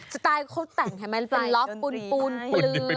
สไตล์เขาแต่งให้มันเป็นล็อคปุนเปลื้อย